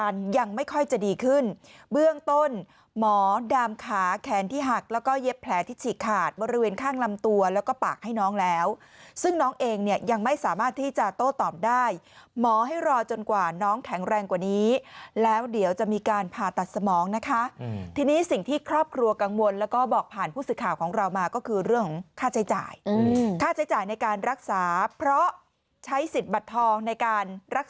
ยังไม่ค่อยจะดีขึ้นเบื้องต้นหมอดามขาแขนที่หักแล้วก็เย็บแผลที่ฉีกขาดบริเวณข้างลำตัวแล้วก็ปากให้น้องแล้วซึ่งน้องเองเนี่ยยังไม่สามารถที่จะโต้ตอบได้หมอให้รอจนกว่าน้องแข็งแรงกว่านี้แล้วเดี๋ยวจะมีการผ่าตัดสมองนะคะทีนี้สิ่งที่ครอบครัวกังวลแล้วก็บอกผ่านผู้สื่อข่าวของเรามาก็คือเรื่องของค่าใช้จ่ายค่าใช้จ่ายในการรักษาเพราะใช้สิทธิ์บัตรทองในการรักษา